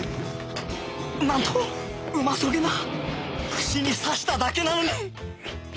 なんとうまそげな串に刺しただけなのに！